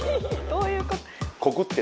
どういうこと？